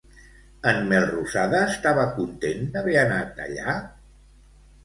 En Melrosada estava content d'haver anat allà?